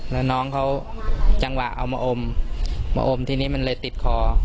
แล้วน้องเขาจังหวะเอามาอมมาอมทีนี้มันเลยติดคอ